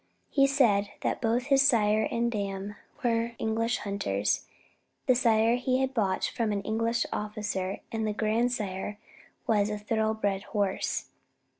He said that both his sire and dam were English hunters, the sire he had bought from an English officer, and the grandsire was a thoroughbred horse.